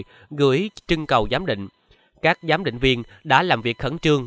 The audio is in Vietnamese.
gửi trưng cầu giám định các giám định viên đã làm việc khẩn trương